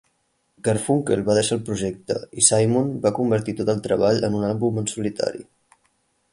Garfunkel va deixar el projecte i Simon va convertir tot el treball en un àlbum en solitari.